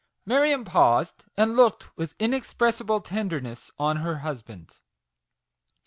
y '' Marion paused, and looked with inexpress ible tenderness on her husband.